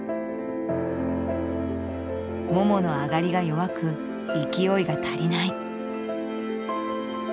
ももの上がりが弱く勢いが足りない。